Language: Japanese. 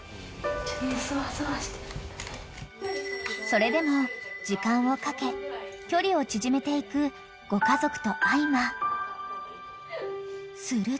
［それでも時間をかけ距離を縮めていくご家族とあいま］